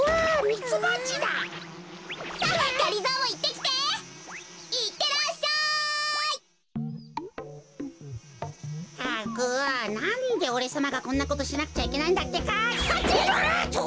ったくなんでおれさまがこんなことしなくちゃいけないんだってか？ハチ！あっと！